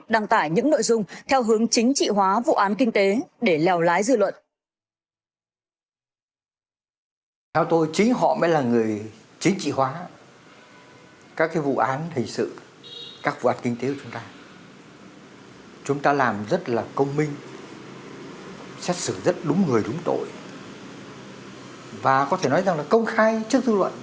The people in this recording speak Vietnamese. đăng tải những nội dung theo hướng chính trị hóa vụ án kinh tế để lèo lái dư luận